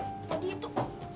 tadi tadi itu